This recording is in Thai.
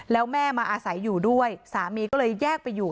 แล้วแม่มาอาศัยอยู่ด้วยสามีก็เลยแยกไปอยู่